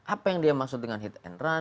apa yang dia maksud dengan hit and run